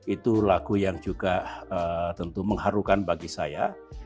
itu lagu yang juga tentu mengharukan bagi saya